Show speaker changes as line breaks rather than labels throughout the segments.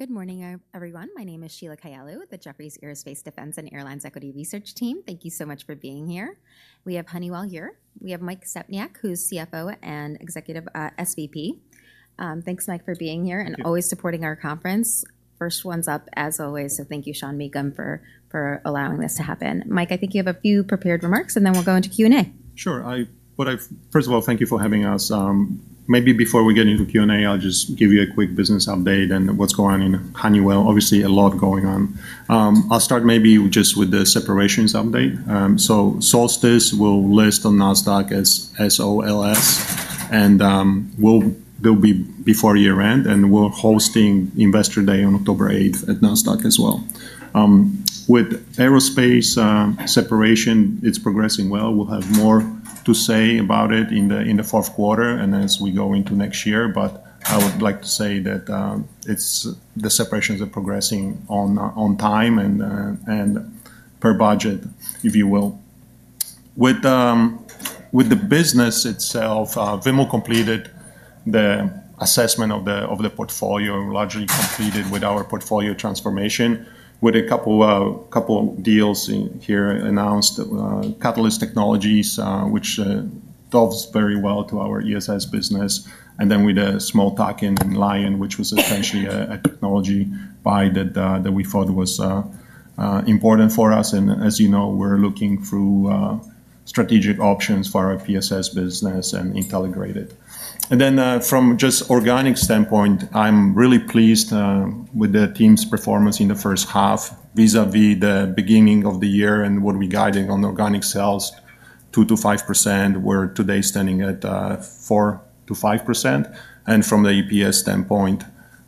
Good morning, everyone. My name is Sheila Kahyaoglu with the Jefferies Aerospace, Defense and Airlines Equity Research Team. Thank you so much for being here. We have Honeywell here. We have Mike Stepniak, who's CFO and executive SVP. Thanks, Mike, for being here-
Thank you
-and always supporting our conference. First one's up as always, so thank you, Sean Meakim, for allowing this to happen, Mike, I think you have a few prepared remarks, and then we'll go into Q&A.
Sure, but first of all, thank you for having us. Maybe before we get into Q&A, I'll just give you a quick business update and what's going on in Honeywell obviously, a lot going on. I'll start maybe just with the separations update. So Solstice will list on Nasdaq as SOLS, and they'll be before year-end, and we're hosting Investor Day on October eighth at Nasdaq as well. With aerospace separation, it's progressing well, We'll have more to say about it in the fourth quarter and as we go into next year. But I would like to say that the separations are progressing on time and per budget, if you will. With the business itself, we completed the assessment of the portfolio and largely completed our portfolio transformation, with a couple of deals in here announced, Catalyst Technologies, which dovetails very well to our ESS business, and then with a small tie-in in, which was essentially a technology buy that we thought was important for us and as you know, we're looking through strategic options for our PSS business and Intelligrated. And then from just organic standpoint, I'm really pleased with the team's performance in the first half, vis-à-vis the beginning of the year and what we guided on organic sales, 2%-5%. We're today standing at 4-5%, and from the EPS standpoint,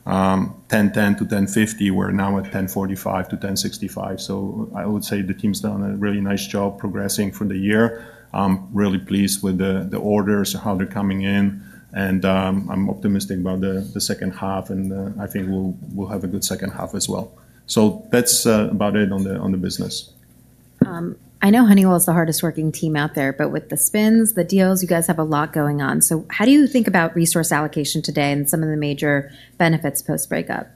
$10.10-$10.50, we're now at $10.45-$10.65, So I would say the team's done a really nice job progressing for the year. I'm really pleased with the orders and how they're coming in, and I'm optimistic about the second half, and I think we'll have a good second half as well so that's about it on the business.
I know Honeywell is the hardest working team out there, but with the spins, the deals, you guys have a lot going on. So how do you think about resource allocation today and some of the major benefits post-breakup?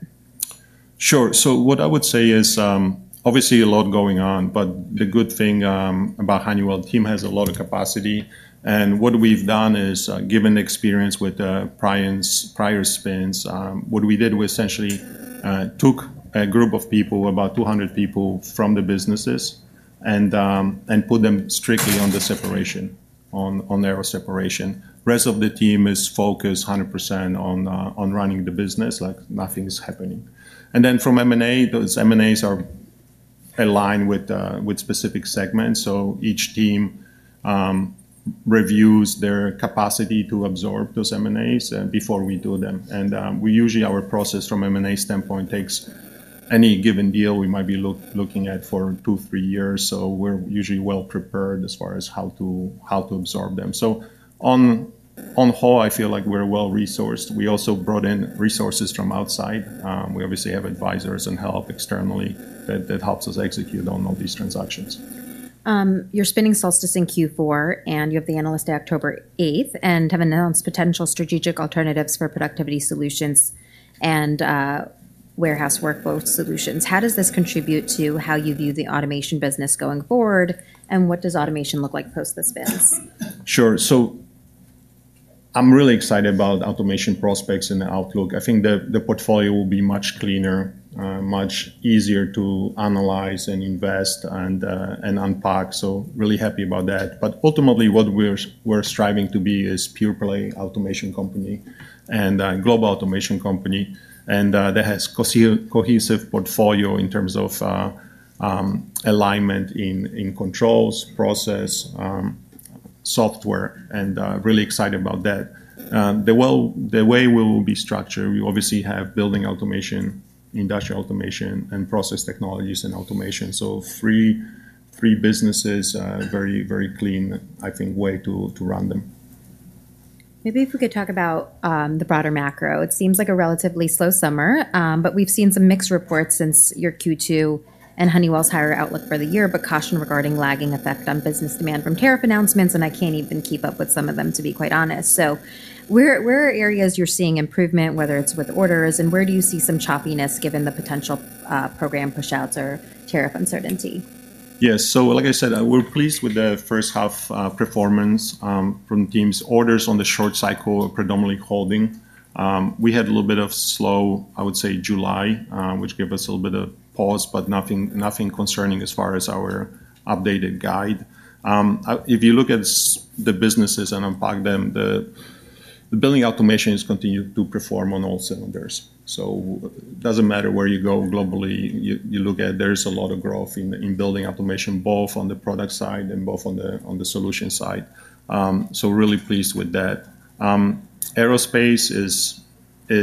Sure. So what I would say is, obviously a lot going on, but the good thing about Honeywell, the team has a lot of capacity, and what we've done is, given the experience with priors, prior spins, what we did was essentially took a group of people, about 200 people from the businesses, and put them strictly on the separation, on their separation. Rest of the team is focused 100% on running the business, like nothing is happening. And then from M&A, those M&As are aligned with specific segments so each team reviews their capacity to absorb those M&As before we do them, We usually, our process from M&A standpoint takes any given deal we might be looking at for two, three years, so we're usually well prepared as far as how to absorb them so, on the whole, I feel like we're well-resourced. We also brought in resources from outside. We obviously have advisors and help externally that helps us execute on all these transactions.
You're spinning Solstice in Q4, and you have the Analyst Day, October eighth, and have announced potential strategic alternatives for productivity solutions and warehouse workflow solutions, How does this contribute to how you view the automation business going forward, and what does automation look like post the spins?
Sure. So I'm really excited about automation prospects and the outlook i think the portfolio will be much cleaner, much easier to analyze and invest and unpack, so really happy about that but ultimately, what we're striving to be is pure-play automation company and global automation company, and that has cohesive portfolio in terms of alignment in controls, process software, and really excited about that. The way we will be structured, we obviously have building automation, industrial automation, and process technologies and automation so three businesses, very clean, I think, way to run them.
Maybe if we could talk about the broader macro. It seems like a relatively slow summer, but we've seen some mixed reports since your Q2 and Honeywell's higher outlook for the year, but caution regarding lagging effect on business demand from tariff announcements, and I can't even keep up with some of them, to be quite honest. So where are areas you're seeing improvement, whether it's with orders, and where do you see some choppiness given the potential program pushouts or tariff uncertainty?
Yes, So like I said, we're pleased with the first half performance from the team's orders on the short cycle, predominantly holding. We had a little bit of slow, I would say, July, which gave us a little bit of pause, but nothing concerning as far as our updated guide. If you look at the businesses and unpack them, the building automation has continued to perform on all cylinders. So it doesn't matter where you go globally, you look at, there is a lot of growth in building automation, both on the product side and both on the solution side. So really pleased with that. Aerospace is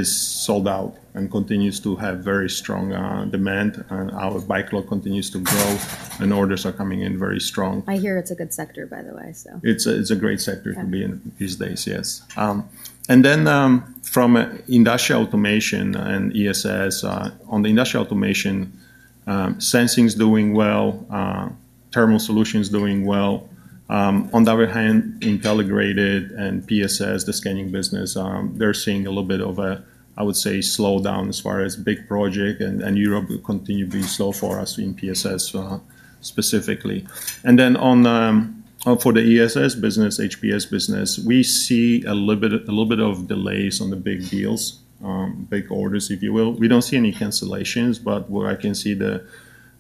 sold out and continues to have very strong demand, and our backlog continues to grow, and orders are coming in very strong.
I hear it's a good sector, by the way, so...
It's a great sector-
Yeah...
to be in these days.
Yes.
And then, from industrial automation and ESS, sensing is doing well, thermal solutions is doing well. On the other hand, Intelligrated and PSS, the scanning business, they're seeing a little bit of a, I would say, slowdown as far as big project, and Europe will continue being slow for us in PSS, specifically. And then on the, for the ESS business, HPS business, we see a little bit of delays on the big deals, big orders, if you will we don't see any cancellations, but where I can see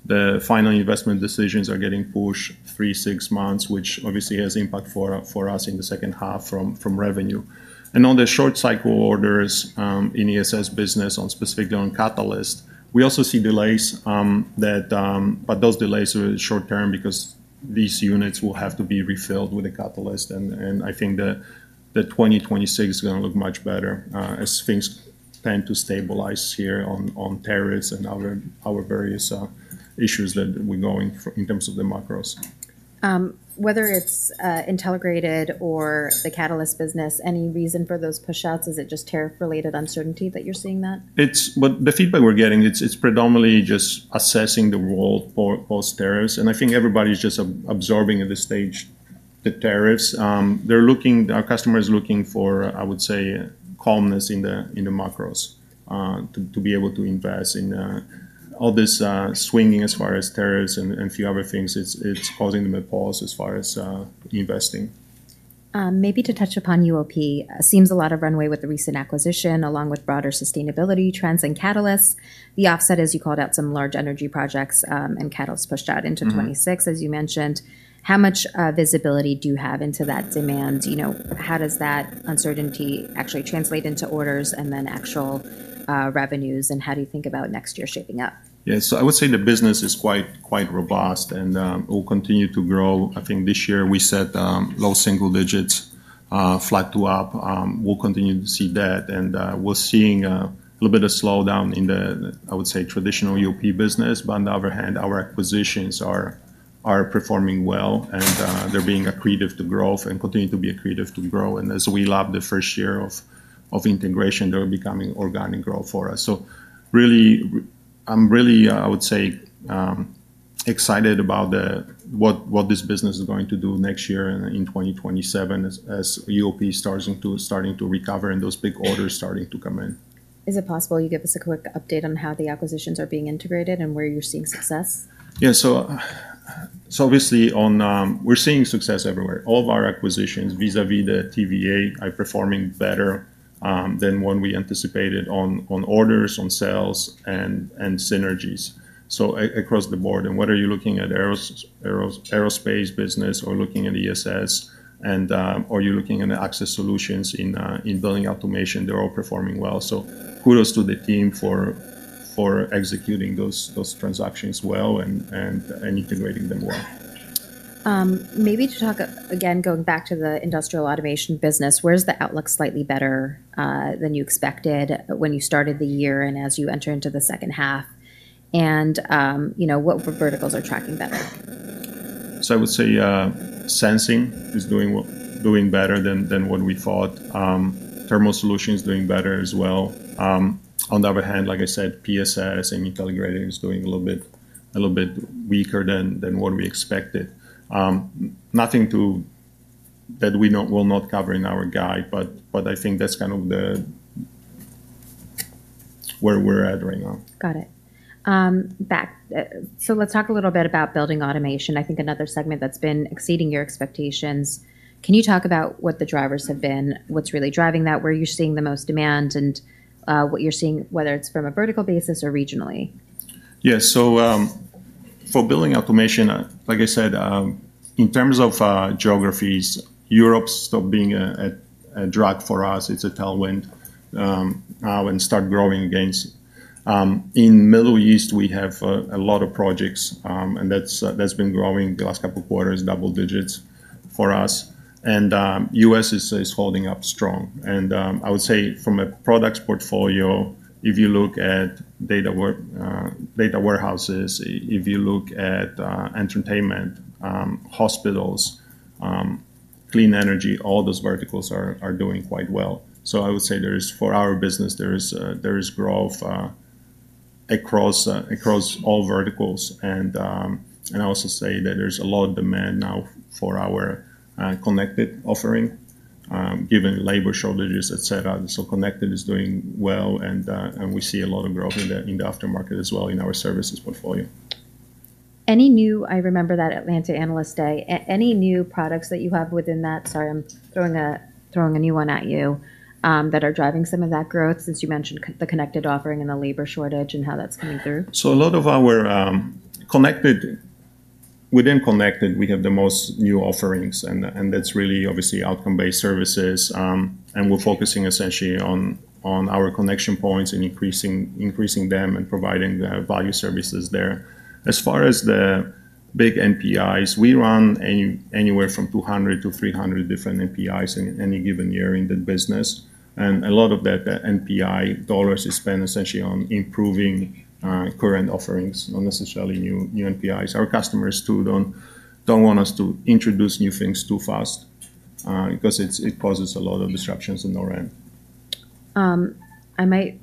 the final investment decisions are getting pushed three, six months, which obviously has impact for us in the second half from revenue. On the short cycle orders, in ESS business, specifically on catalyst, we also see delays, but those delays are short term because these units will have to be refilled with a catalyst i think that 2026 is gonna look much better, as things tend to stabilize here on tariffs and other various issues that we're going through in terms of the macros.
Whether it's Intelligrated or the catalyst business, any reason for those push outs? Is it just tariff-related uncertainty that you're seeing that?
But the feedback we're getting, it's predominantly just assessing the role for post tariffs, and I think everybody's just absorbing at this stage, the tariffs. Our customers are looking for, I would say, calmness in the macros, to be able to invest in all this swinging as far as tariffs and a few other things, it's causing them a pause as far as investing.
Maybe to touch upon UOP, seems a lot of runway with the recent acquisition, along with broader sustainability trends and catalysts. The offset, as you called out, some large energy projects, and catalysts pushed out into-
Mm...
2026, as you mentioned. How much visibility do you have into that demand? You know, how does that uncertainty actually translate into orders and then actual revenues, and how do you think about next year shaping up?
Yeah. So I would say the business is quite, quite robust, and will continue to grow, I think this year we set low single digits, flat to up. We'll continue to see that, and we're seeing a little bit of slowdown in the, I would say, traditional UOP business but on the other hand, our acquisitions are performing well. And they're being accretive to growth and continue to be accretive to grow and as we lap the first year of integration, they're becoming organic growth for us. So really, I'm really, I would say, excited about the what this business is going to do next year and in 2027, as UOP starting to recover and those big orders starting to come in.
Is it possible you give us a quick update on how the acquisitions are being integrated and where you're seeing success?
Yeah. So, so obviously on we're seeing success everywhere, All of our acquisitions, vis-a-vis the TVA, are performing better than when we anticipated on, on orders, on sales, and, and synergies. So across the board, and whether you're looking at aerospace business or looking at ESS and, or you're looking at the access solutions in, in building automation, they're all performing well. So kudos to the team for, for executing those, those transactions well and, and, and integrating them well.
Maybe to talk, again, going back to the Industrial Automation business, where's the outlook slightly better than you expected when you started the year and as you enter into the second half? And, you know, what verticals are tracking better?
So I would say, sensing is doing better than what we thought. Thermal solutions is doing better as well. On the other hand, like I said, PSS and Intelligrated is doing a little bit weaker than what we expected. Nothing that we know we'll not cover in our guide, but I think that's kind of where we're at right now.
Got it. Back, so let's talk a little bit about Building Automation i think another segment that's been exceeding your expectations. Can you talk about what the drivers have been? What's really driving that, where you're seeing the most demand, and what you're seeing, whether it's from a vertical basis or regionally?
Yeah. So, for building automation, like I said, in terms of geographies, Europe stopped being a drag for us it's a tailwind, and start growing again. In Middle East, we have a lot of projects, and that's that's been growing the last couple of quarters, double digits for us. And US is holding up strong. And I would say from a products portfolio, if you look at data warehouses, if you look at entertainment, hospitals, clean energy, all those verticals are doing quite well. So I would say there is, for our business, there is growth across all verticals. I also say that there's a lot of demand now for our connected offering, given labor shortages, et cetera so connected is doing well, and we see a lot of growth in the aftermarket as well, in our services portfolio.
Any new... I remember that Atlanta Analyst Day. Any new products that you have within that? Sorry, I'm throwing a new one at you. That are driving some of that growth, since you mentioned the connected offering and the labor shortage and how that's coming through.
So a lot of our connected within connected, we have the most new offerings, and that's really obviously outcome-based services. And we're focusing essentially on our connection points and increasing them and providing the value services there. As far as the big NPIs, we run anywhere from 200-300 different NPIs in any given year in the business, and a lot of that, the NPI dollars, is spent essentially on improving current offerings, not necessarily new NPIs, Our customers, too, don't want us to introduce new things too fast because it causes a lot of disruptions on their end....
I might,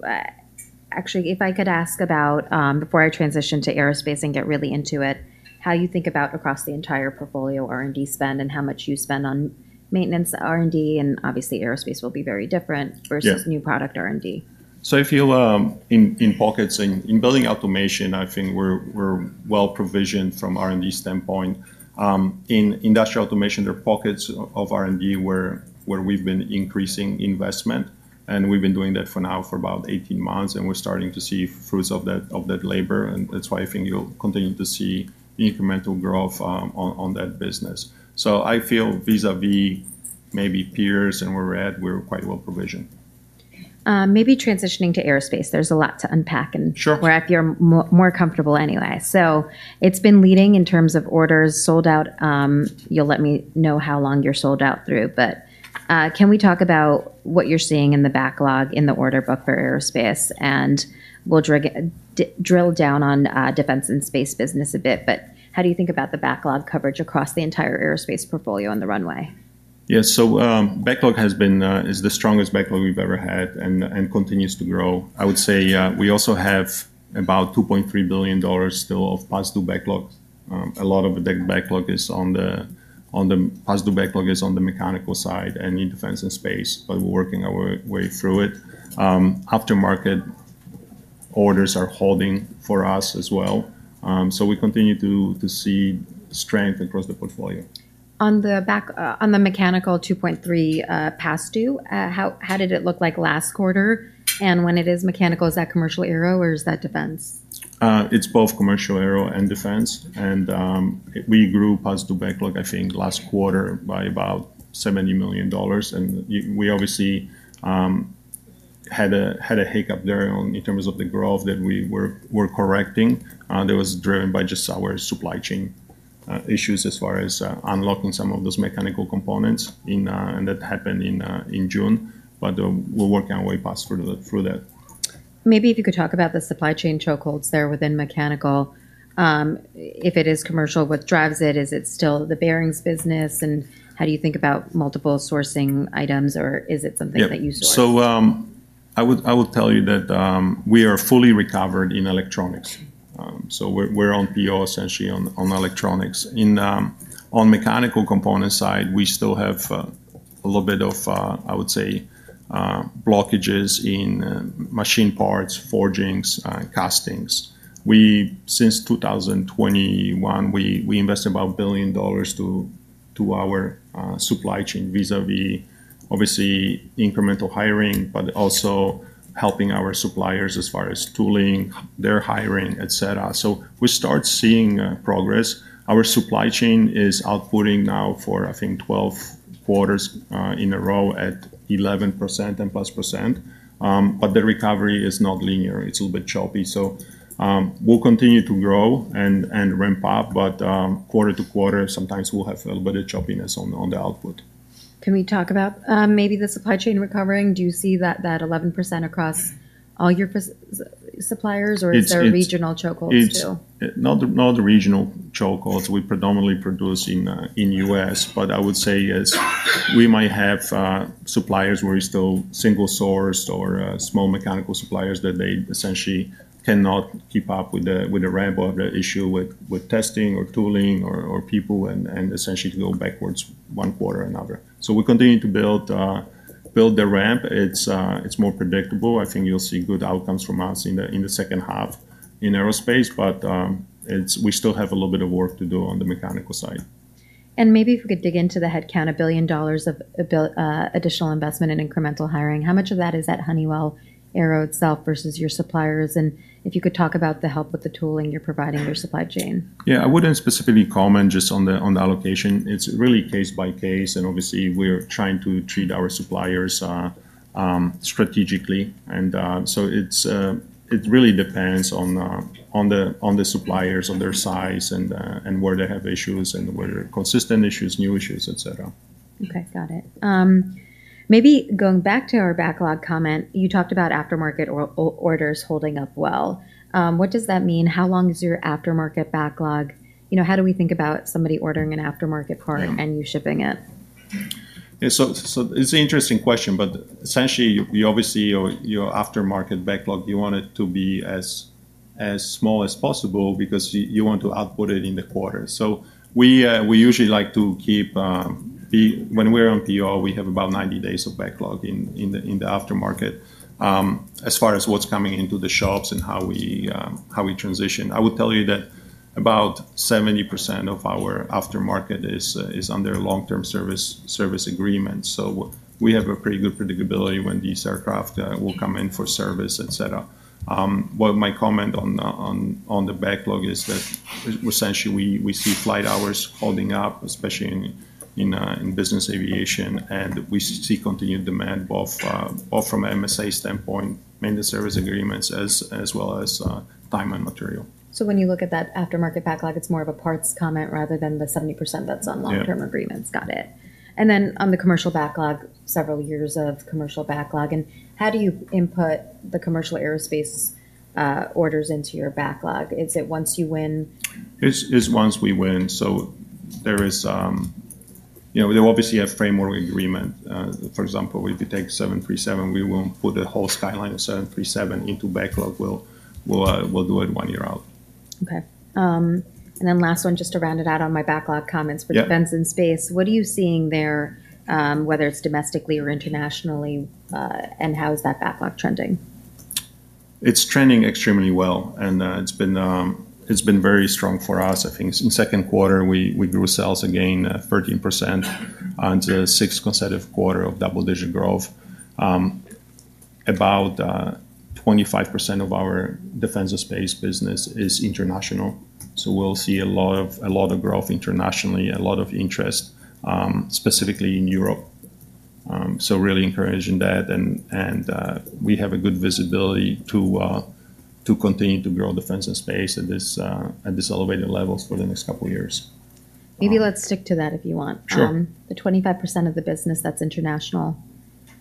actually, if I could ask about, before I transition to aerospace and get really into it, how you think about across the entire portfolio R&D spend and how much you spend on maintenance R&D, and obviously aerospace will be very different-
Yeah...
versus new product R&D?
I feel in pockets in building automation, I think we're well provisioned from R&D standpoint. In industrial automation, there are pockets of R&D where we've been increasing investment, and we've been doing that for about 18 months, and we're starting to see fruits of that labor, and that's why I think you'll continue to see incremental growth on that business. I feel vis-à-vis maybe peers and where we're at, we're quite well provisioned.
Maybe transitioning to aerospace, there's a lot to unpack and, where I feel more comfortable anyway. So it's been leading in terms of orders sold out. You'll let me know how long you're sold out through, but can we talk about what you're seeing in the backlog in the order book for aerospace? And we'll drill down on defense and space business a bit, but how do you think about the backlog coverage across the entire aerospace portfolio on the runway?
Yeah. So, backlog has been is the strongest backlog we've ever had and continues to grow. I would say, we also have about $2.3 billion still of past due backlog. A lot of the past due backlog is on the mechanical side and in defense and space, but we're working our way through it. Aftermarket orders are holding for us as well. So we continue to see strength across the portfolio.
On the back, on the mechanical 2.3, past due, how did it look like last quarter? And when it is mechanical, is that commercial aero, or is that defense?
It's both commercial aero and defense. We grew past due backlog, I think, last quarter by about $70 million, and we obviously had a hiccup there on, in terms of the growth that we're correcting. That was driven by just our supply chain issues as far as unlocking some of those mechanical components in, and that happened in June, but we're working our way through that.
Maybe if you could talk about the supply chain choke holds there within mechanical. If it is commercial, what drives it? Is it still the bearings business, and how do you think about multiple sourcing items, or is it something that you source?
I would tell you that we are fully recovered in electronics. We are on PO essentially on electronics on mechanical components side, we still have a little bit of, I would say, blockages in machine parts, forgings, castings. Since 2021, we invested about $1 billion to our supply chain, vis-à-vis obviously incremental hiring, but also helping our suppliers as far as tooling, their hiring, et cetera. We start seeing progress. Our supply chain is outputting now for, I think, 12 quarters in a row at 11% and plus percent. The recovery is not linear. It's a little bit choppy, so we'll continue to grow and ramp up, but quarter to quarter, sometimes we'll have a little bit of choppiness on the output.
Can we talk about, maybe the supply chain recovering? Do you see that, that 11% across all your suppliers or is there regional chokeholds, too?
It's not regional choke holds, We predominantly produce in the U.S., but I would say we might have suppliers where we still single sourced or small mechanical suppliers that they essentially cannot keep up with the ramp or have the issue with testing or tooling or people and essentially go backwards one quarter or another. So we're continuing to build the ramp. It's more predictable i think you'll see good outcomes from us in the second half in aerospace, but it's, We still have a little bit of work to do on the mechanical side.
And maybe if we could dig into the headcount, $1 billion of additional investment in incremental hiring, How much of that is at Honeywell Aero itself versus your suppliers? And if you could talk about the help with the tooling you're providing your supply chain.
Yeah, I wouldn't specifically comment just on the allocation it's really case by case, and obviously, we're trying to treat our suppliers strategically. And so it really depends on the suppliers, on their size and where they have issues and where they're consistent issues, new issues, et cetera.
Okay, got it. Maybe going back to our backlog comment, you talked about aftermarket orders holding up well. What does that mean? How long is your aftermarket backlog? You know, how do we think about somebody ordering an aftermarket part-
Yeah...
and you shipping it?
Yeah, So it's an interesting question, but essentially, you obviously, your aftermarket backlog, you want it to be as small as possible because you want to output it in the quarter. So we usually like to keep, When we're on PO, we have about 90 days of backlog in the aftermarket. As far as what's coming into the shops and how we transition, I would tell you that about 70% of our aftermarket is under long-term service agreement so, we have a pretty good predictability when these aircraft will come in for service, et cetera. But my comment on the backlog is that essentially we see flight hours holding up, especially in business aviation, and we see continued demand both from an MSA standpoint, maintenance service agreements, as well as time and material.
So when you look at that aftermarket backlog, it's more of a parts comment rather than the 70% that's on long-term agreements. Got it, And then on the commercial backlog, several years of commercial backlog, and how do you input the commercial aerospace orders into your backlog? Is it once you win?
It's once we win so, there is, you know, there will obviously a framework agreement. For example, if you take 737, we won't put the whole skyline of 737 into backlog we'll do it one year out.
Okay, and then last one, just to round it out on my backlog comments-
Yeah.
-for defense and space, what are you seeing there, whether it's domestically or internationally, and how is that backlog trending?
It's trending extremely well, and it's been very strong for us i think in second quarter, we grew sales again 13% on the sixth consecutive quarter of double-digit growth. About 25% of our defense and space business is international, so we'll see a lot of growth internationally, a lot of interest specifically in Europe. So really encouraged in that and we have a good visibility to continue to grow defense and space at this elevated levels for the next couple of years.
Maybe let's stick to that if you want.
Sure.
The 25% of the business that's international,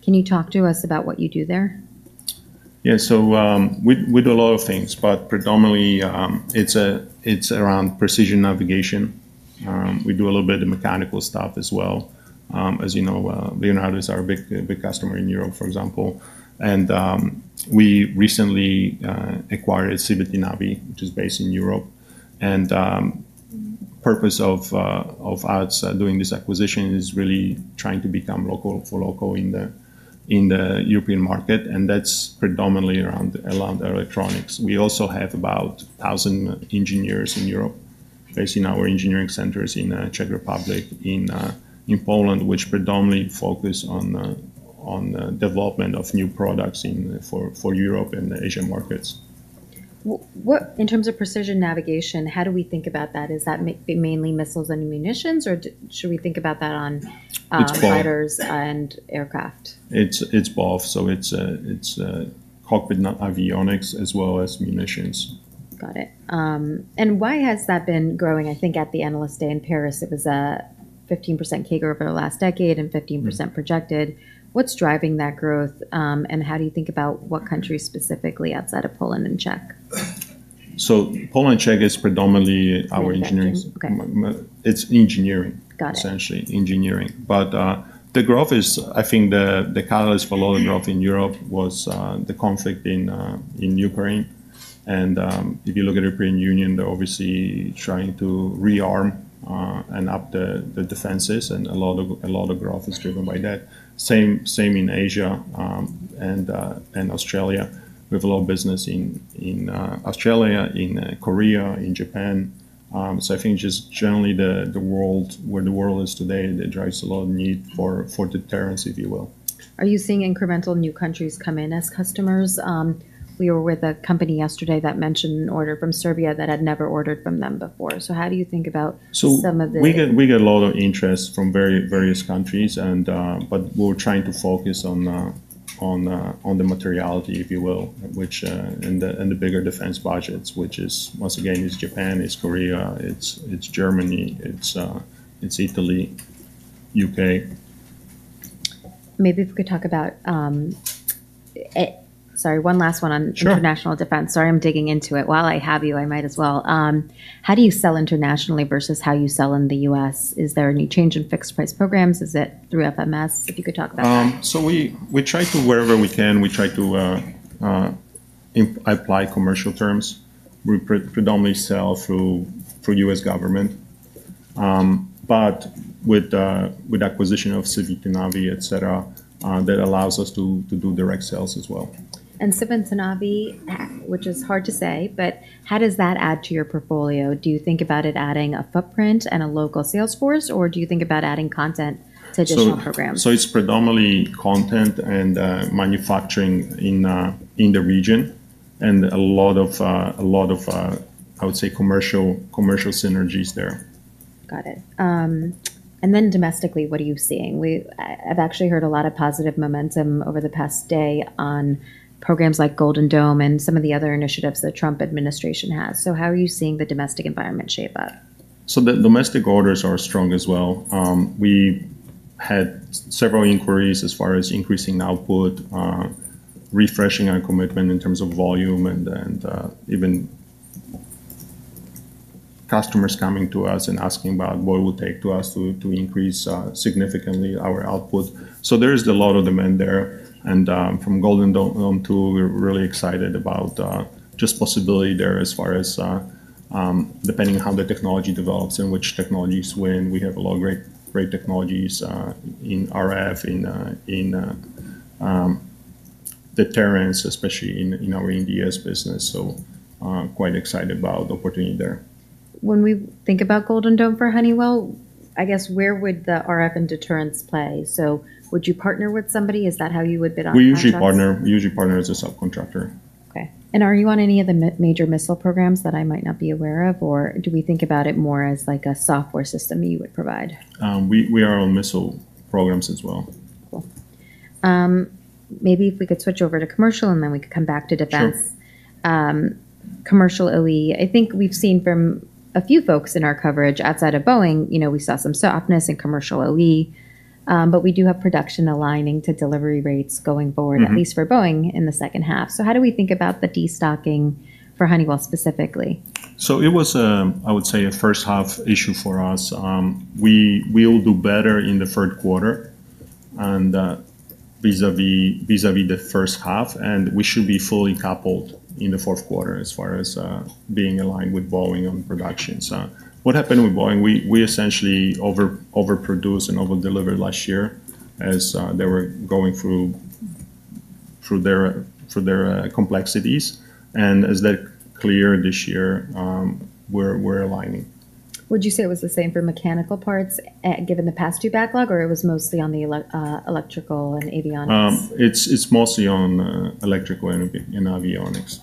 can you talk to us about what you do there?
Yeah so, we do a lot of things, but predominantly, it's around precision navigation. We do a little bit of mechanical stuff as well. As you know, Leonardo is our big, big customer in Europe, for example. And, we recently acquired Civitanavi, which is based in Europe. And, purpose of us doing this acquisition is really trying to become local, for local in the European market, and that's predominantly around electronics we also have about a thousand engineers in Europe based in our engineering centers in Czech Republic, in Poland, which predominantly focus on the development of new products for Europe and the Asian markets.
What in terms of precision navigation, how do we think about that? Is that mainly missiles and munitions, or should we think about that on,
It's both...
fighters and aircraft?
It's both so it's cockpit avionics as well as munitions.
Got it, and why has that been growing? I think at the Analyst Day in Paris, it was a 15% CAGR over the last decade and 15% projected, What's driving that growth, and how do you think about what countries specifically outside of Poland and Czech?
So Poland and Czech is predominantly our engineering-...
Okay.
It's engineering-
Got it...
Essentially, engineering but, the growth is, I think the catalyst for a lot of growth in Europe was the conflict in Ukraine. And, if you look at European Union, they're obviously trying to rearm and up the defenses, and a lot of growth is driven by that. Same in Asia and Australia. We have a lot of business in Australia, in Korea, in Japan. So I think just generally the world, where the world is today, it drives a lot of need for deterrence, if you will.
Are you seeing incremental new countries come in as customers? We were with a company yesterday that mentioned an order from Serbia that had never ordered from them before so how do you think about some of the-
So we get a lot of interest from various countries, and, but we're trying to focus on the materiality, if you will, which and the bigger defense budgets, which is, once again, it's Japan, it's Korea, it's Germany, it's Italy, UK.
Maybe if we could talk about. Sorry, one last one on-
Sure...
International defense sorry, I'm digging into it, While I have you, I might as well. How do you sell internationally versus how you sell in the U.S.? Is there any change in fixed price programs? Is it through FMS? If you could talk about that.
So we try to, wherever we can, apply commercial terms. We predominantly sell through for U.S. government, but with acquisition of Civitanavi, et cetera, that allows us to do direct sales as well.
Civitanavi, which is hard to say, but how does that add to your portfolio? Do you think about it adding a footprint and a local sales force, or do you think about adding content to additional programs?
So it's predominantly content and manufacturing in the region, and a lot of, I would say, commercial synergies there.
Got it and, then domestically, what are you seeing? I've actually heard a lot of positive momentum over the past day on programs like Golden Dome and some of the other initiatives the Trump administration has so how are you seeing the domestic environment shape up?
The domestic orders are strong as well. We had several inquiries as far as increasing output, refreshing our commitment in terms of volume, and then even customers coming to us and asking about what it would take for us to increase significantly our output. There is a lot of demand there. From Golden Dome, too, we're really excited about just the possibility there as far as depending on how the technology develops and which technologies win we have a lot of great, great technologies in RF, in deterrence, especially in our business, so quite excited about the opportunity there.
When we think about Golden Dome for Honeywell, I guess where would the RF and deterrence play? So would you partner with somebody? Is that how you would bid on contracts?
We usually partner as a subcontractor.
Okay. And are you on any of the major missile programs that I might not be aware of, or do we think about it more as like a software system you would provide?
We are on missile programs as well.
Cool. Maybe if we could switch over to commercial, and then we could come back to defense.
Sure.
Commercial OE. I think we've seen from a few folks in our coverage outside of Boeing, you know, we saw some softness in commercial OE, but we do have production aligning to delivery rates going forward-
Mm-hmm...
at least for Boeing in the second half. So how do we think about the destocking for Honeywell specifically?
So it was, I would say, a first-half issue for us. We will do better in the Q3 and, vis-à-vis the first half, and we should be fully coupled in the Q4 as far as being aligned with Boeing on production, so what happened with Boeing, we essentially overproduced and over-delivered last year as they were going through their complexities, and as they're clear this year, we're aligning.
Would you say it was the same for mechanical parts, given the past two backlog, or it was mostly on the electrical and avionics?
It's mostly on electrical and avionics.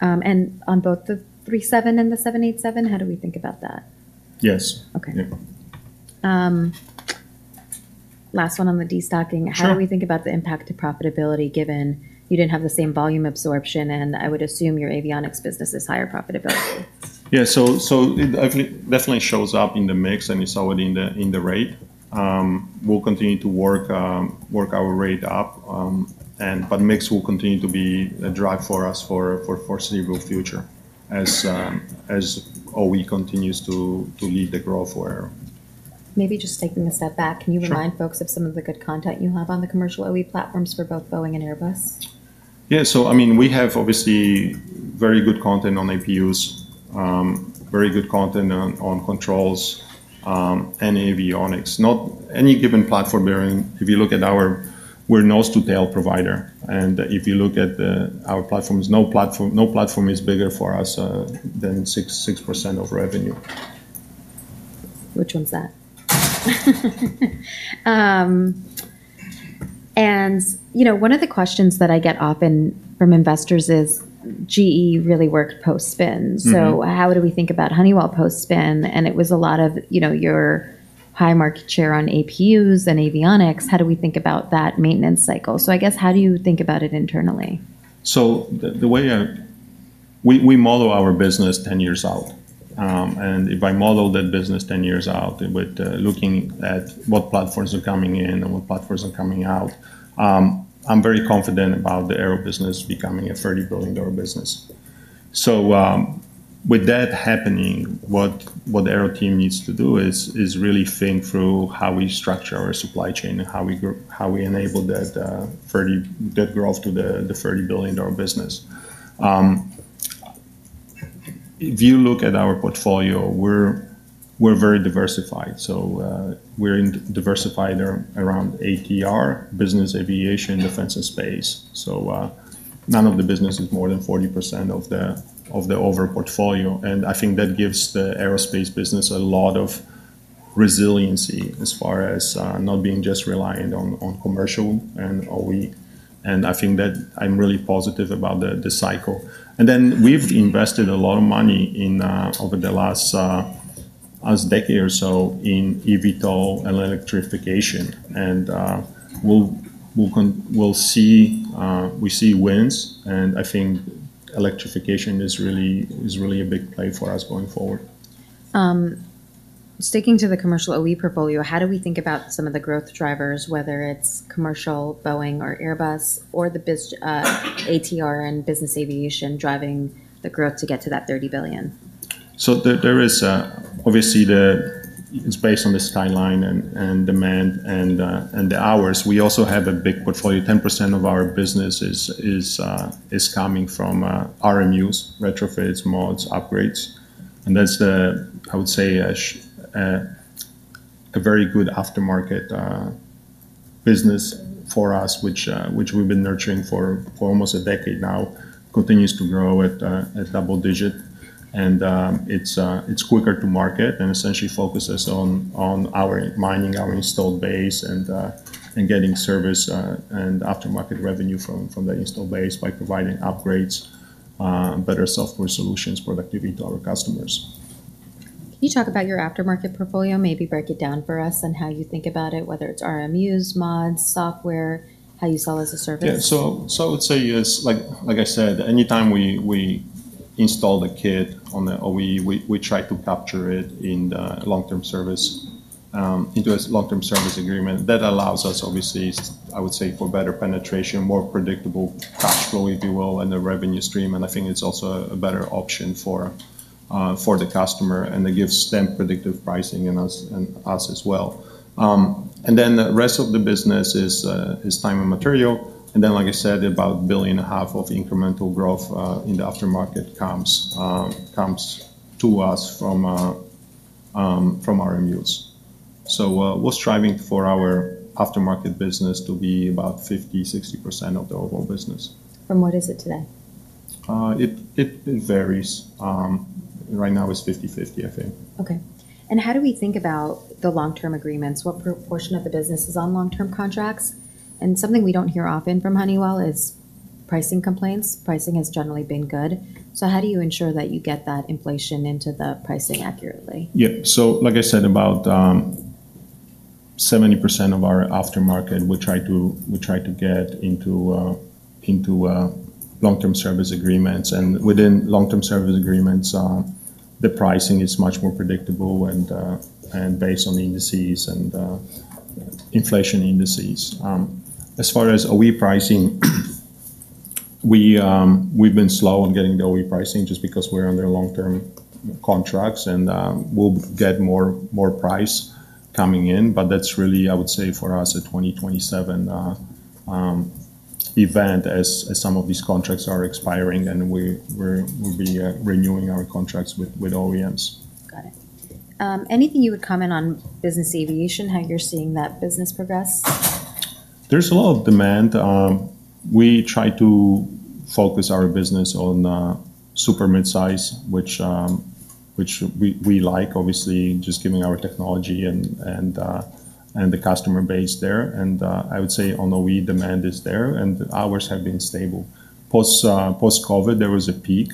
And on both the 737 and the 787? How do we think about that?
Yes.
Okay.
Yeah.
Last one on the destocking.
Sure.
How do we think about the impact to profitability, given you didn't have the same volume absorption, and I would assume your avionics business is higher profitability?
Yeah so it definitely shows up in the mix, and you saw it in the rate. We'll continue to work our rate up, but mix will continue to be a drive for us for the foreseeable future, as OE continues to lead the growth for Aero.
Maybe just taking a step back, Can you remind folks of some of the good content you have on the commercial OE platforms for both Boeing and Airbus?
Yeah. So I mean, we have obviously very good content on APUs, very good content on controls, and avionics not any given platform bearing, if you look at our, we're nose to tail provider, and if you look at our platforms, no platform is bigger for us than 6% of revenue.
Which one's that? You know, one of the questions that I get often from investors is, GE really worked post-spin so, how do we think about Honeywell post-spin? And it was a lot of, you know, your high market share on APUs and avionics. How do we think about that maintenance cycle? So, I guess, how do you think about it internally?
The way we model our business ten years out. If I model that business ten years out, with looking at what platforms are coming in and what platforms are coming out, I'm very confident about the Aero business becoming a $30 billion business. With that happening, what the Aero team needs to do is really think through how we structure our supply chain and how we grow, how we enable that growth to the $30 billion business. If you look at our portfolio, we're very diversified. We're diversified around ATR, business aviation, defense, and space so, none of the business is more than 40% of the overall portfolio, and I think that gives the aerospace business a lot of resiliency as far as not being just reliant on commercial and OE, and I think that I'm really positive about the cycle. And then we've invested a lot of money in over the last decade or so in eVTOL and electrification, and we'll see, we see wins, and I think electrification is really a big play for us going forward.
Sticking to the commercial OE portfolio, how do we think about some of the growth drivers, whether it's commercial, Boeing or Airbus, or the biz, ATR and business aviation, driving the growth to get to that $30 billion?
There is obviously it's based on the skyline and demand and the hours we also have a big portfolio. 10% of our business is coming from RMUs, retrofits, mods, upgrades, and that's the, I would say, a very good aftermarket business for us, which we've been nurturing for almost a decade now. It continues to grow at double-digit, and it's quicker to market and essentially focuses on our installed base, and getting service and aftermarket revenue from the installed base by providing upgrades, better software solutions, productivity to our customers.
Can you talk about your aftermarket portfolio? Maybe break it down for us and how you think about it, whether it's RMUs, mods, software, how you sell as a service.
Yeah so I would say, yes, like I said, anytime we install the kit on the OE, we try to capture it in the long-term service into a long-term service agreement that allows us, obviously, I would say, for better penetration, more predictable cash flow, if you will, and the revenue stream, and I think it's also a better option for the customer, and it gives them predictive pricing and us as well. And then the rest of the business is time and material, and then, like I said, about $1.5 billion of incremental growth in the aftermarket comes to us from RMUs. So we're striving for our aftermarket business to be about 50-60% of the overall business.
What is it today?
It varies. Right now, it's 50/50, I think.
Okay. And how do we think about the long-term agreements? What proportion of the business is on long-term contracts? And something we don't hear often from Honeywell is pricing complaints, Pricing has generally been good. So how do you ensure that you get that inflation into the pricing accurately?
Yeah. So like I said, about 70% of our aftermarket, we try to get into long-term service agreements and within long-term service agreements, the pricing is much more predictable and based on indices and inflation indices. As far as OE pricing, we've been slow on getting the OE pricing just because we're under long-term contracts and we'll get more price coming in, But that's really, I would say, for us, a 2027 event as some of these contracts are expiring, and we'll be renewing our contracts with OEMs.
Got it. Anything you would comment on business aviation, how you're seeing that business progress?
There's a lot of demand. We try to focus our business on super mid-size, which we like, obviously, just given our technology and the customer base there and i would say on OE, demand is there, and the hours have been stable. Post-COVID, there was a peak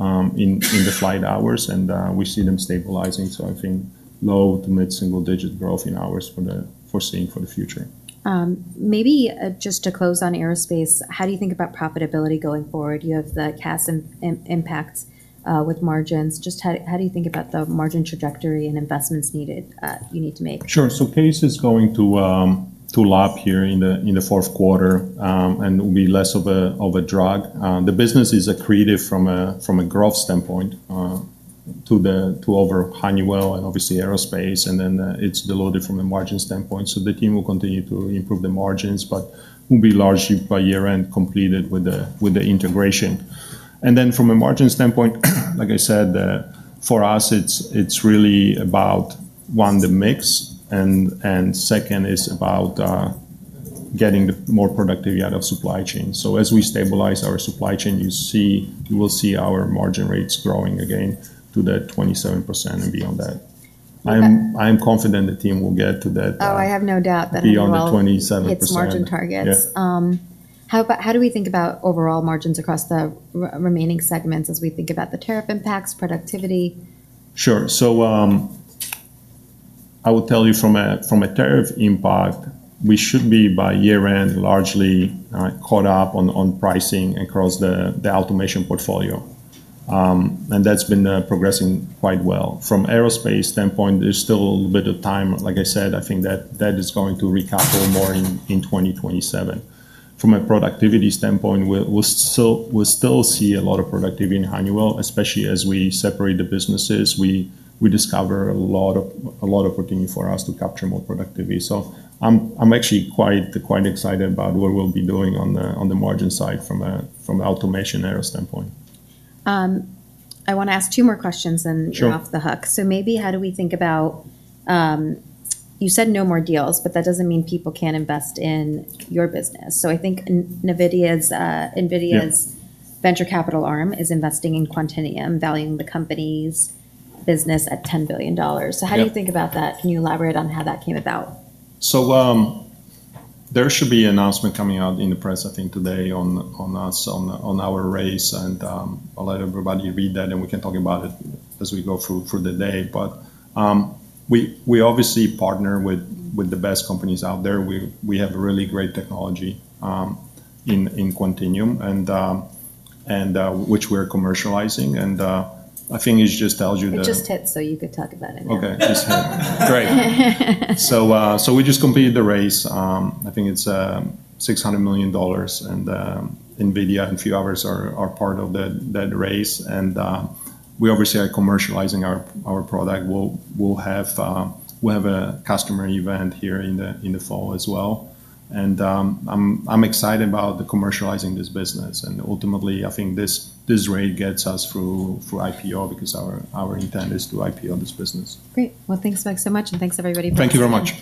in the flight hours, and we see them stabilizing, so I think low to mid-single-digit growth in hours foreseen for the future.
Maybe, just to close on aerospace, how do you think about profitability going forward? You have the CAS impact with margins, Just how do you think about the margin trajectory and investments needed, you need to make?
Sure so CAS is going to lap here in the Q4, and will be less of a drag. The business is accretive from a growth standpoint to overall Honeywell and obviously aerospace, and then, it's dilutive from a margin standpoint, so the team will continue to improve the margins, but will be largely by year-end completed with the integration. And then from a margin standpoint, like I said, for us, it's really about, one, the mix, and second is about getting more productivity out of supply chain so as we stabilize our supply chain, you will see our margin rates growing again to that 27% and beyond that. I'm confident the team will get to that-
Oh, I have no doubt that-
beyond the 27%...
hits margin targets.
Yeah.
How about, how do we think about overall margins across the remaining segments as we think about the tariff impacts, productivity?
Sure so, I would tell you from a tariff impact, we should be, by year-end, largely caught up on pricing across the automation portfolio. And that's been progressing quite well, From aerospace standpoint, there's still a little bit of time like I said, I think that is going to recover more in twenty twenty-seven. From a productivity standpoint, we'll still see a lot of productivity in Honeywell, especially as we separate the businesses. We discover a lot of opportunity for us to capture more productivity so, I'm actually quite excited about what we'll be doing on the margin side from automation aero standpoint.
I wanna ask two more questions, and-
Sure
So maybe how do we think about... You said no more deals, but that doesn't mean people can't invest in your business, So I think NVIDIA's...
Yeah
Venture capital arm is investing in Quantinuum, valuing the company's business at $10 billion.
Yeah.
So how do you think about that? Can you elaborate on how that came about?
There should be an announcement coming out in the press, I think today, on us, on our raise, and I'll let everybody read that, and we can talk about it as we go through for the day. We obviously partner with the best companies out there, We have really great technology in Quantinuum, which we're commercializing, and I think it just tells you that-
It just hit, so you could talk about it now.
Okay, just hit, Great. So we just completed the raise. I think it's $600 million, and NVIDIA and a few others are part of that raise and we obviously are commercializing our product we'll have a customer event here in the fall as well, and I'm excited about commercializing this business and ultimately, I think this raise gets us through for IPO because our intent is to IPO this business.
Great, well thanks, Mike, so much, and thanks, everybody-
Thank you very much.